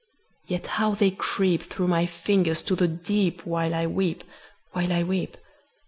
yet how they creep Through my fingers to the deep While I weep while I weep!